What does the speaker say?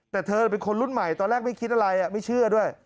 แต่เธอเป็นคนรุ่นใหม่ตอนแรกไม่คิดอะไรไม่เชื่อด้วย